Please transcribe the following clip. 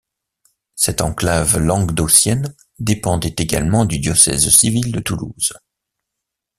Cette enclave languedocienne dépendait également du diocèse civil de Toulouse.